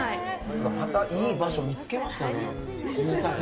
いい場所見つけましたね。